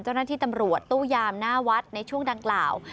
เจ้าหน้าที่ตำรวจตู้ยามหน้าวัดในช่วงดังกล่าว